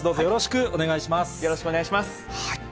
よろしくお願いします。